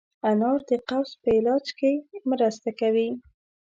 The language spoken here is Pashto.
انار د قبض په علاج کې مرسته کوي.